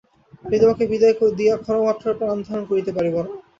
আমি তোমাকে বিদায় দিয়া ক্ষণমাত্রও প্রাণধারণ করিতে পারিব না।